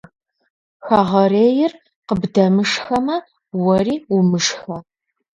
Хэгъэрейр къыбдэмышхэмэ, уэри умышхэ.